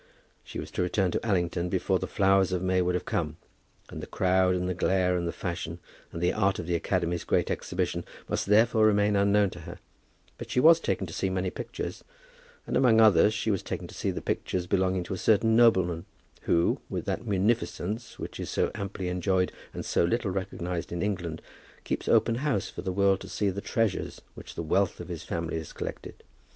She was to return to Allington before the flowers of May would have come, and the crowd and the glare and the fashion and the art of the Academy's great exhibition must therefore remain unknown to her; but she was taken to see many pictures, and among others she was taken to see the pictures belonging to a certain nobleman who, with that munificence which is so amply enjoyed and so little recognized in England, keeps open house for the world to see the treasures which the wealth of his family has collected.